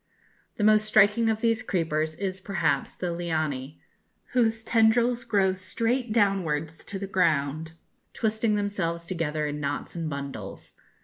The most striking of these creepers is, perhaps, the liane, whose tendrils grow straight downwards to the ground, twisting themselves together in knots and bundles.